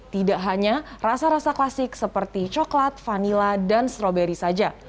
tidak hanya rasa rasa klasik seperti coklat vanila dan stroberi saja